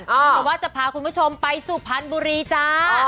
เพราะว่าจะพาคุณผู้ชมไปสุพรรณบุรีจ้า